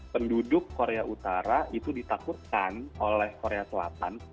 penduduk korea utara itu ditakutkan oleh korea selatan